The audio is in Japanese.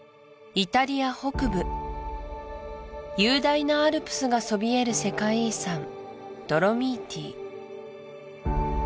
イタリア北部雄大なアルプスがそびえる世界遺産ドロミーティ